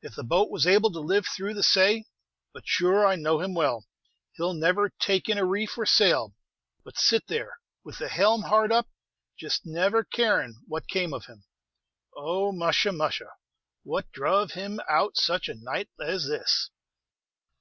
"If the boat was able to live through the say. But sure I know him well; he 'll never take in a reef or sail, but sit there, with the helm hard up, just never carin' what came of him! Oh, musha! musha! what druv him out such a night as this!"